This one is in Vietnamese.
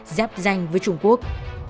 giáp danh với trung quốc